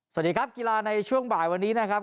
สวัสดีครับกีฬาในช่วงบ่ายวันนี้นะครับ